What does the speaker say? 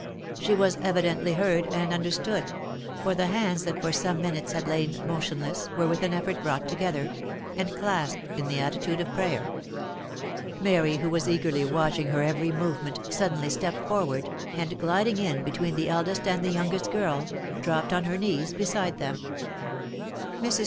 She was evidently heard and understood, for the hands that for some minutes had lain motionless, were with an effort brought together, and clasped in the attitude of prayer. Mary who was eagerly watching her every movement, suddenly stepped forward, and gliding in between the eldest and the youngest girl, dropped on her knees beside them. Mrs.